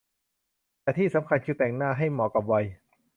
แต่ที่สำคัญคือแต่งหน้าให้เหมาะกับวัย